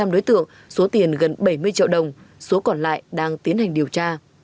năm đối tượng số tiền gần bảy mươi triệu đồng số còn lại đang tiến hành điều tra